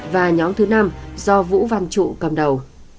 và nhóm thứ năm do vũ văn trụ cầm đầu